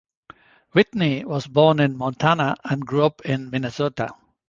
Whitney was born in Montana and grew up in Minnesota.